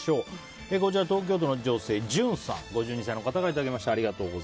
東京都の女性、５２歳の方からいただきました。